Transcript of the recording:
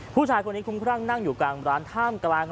ผู้ชายคนนี้คุ้มครั่งนั่งอยู่กลางร้านท่ามกลาง